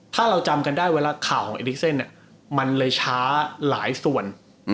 ถ้าเราจำกันได้เวลาข่าวของเอลิกเซนมันเลยช้าหลายส่วน